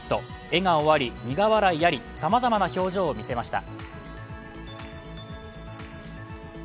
笑顔あり、苦笑いありさまざまな表情を見せました。